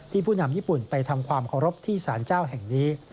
ผู้นำญี่ปุ่นไปทำความเคารพที่สารเจ้าแห่งนี้